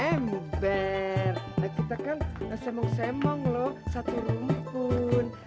ember kita kan semong semong loh satu rumah pun